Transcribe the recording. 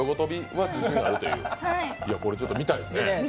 これ、ちょっと見たいですね。